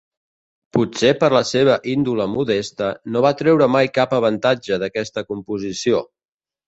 Potser per la seva índole modesta, no va treure mai cap avantatge d'aquesta composició.